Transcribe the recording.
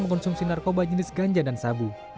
mengkonsumsi narkoba jenis ganja dan sabu